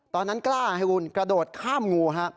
ตอนนั้นกล้าให้คุณกระโดดข้ามงูฮะ